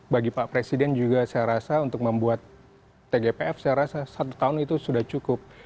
bagi pak presiden juga saya rasa untuk membuat tgpf saya rasa satu tahun itu sudah cukup